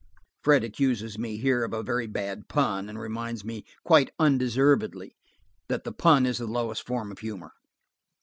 (Fred accuses me here of a very bad pun, and reminds me, quite undeservedly, that the pun is the lowest form of humor.)